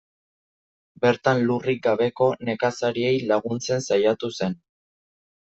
Bertan, lurrik gabeko nekazariei laguntzen saiatu zen.